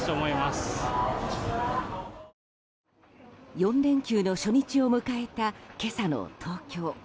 ４連休の初日を迎えた今朝の東京。